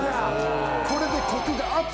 これでコクがアップ！